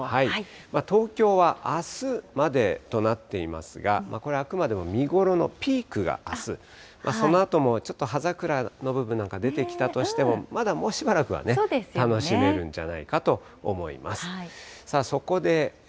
東京はあすまでとなっていますが、これはあくまでも見頃のピークがあす、そのあともちょっと葉桜の部分なんか出てきたとしても、まだもうしばらくは楽しめるんじゃないかと思います。